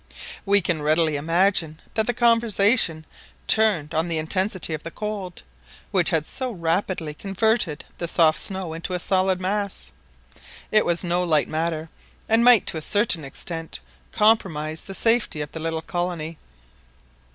We can readily imagine that the conversation turned on the intensity of the cold, which had so rapidly converted the soft snow into a solid mass. It was no light matter, and might to a certain extent compromise the safety of the little colony.